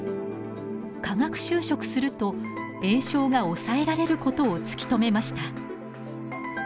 化学修飾すると炎症が抑えられることを突き止めました。